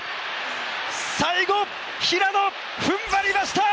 最後、平野、踏ん張りました。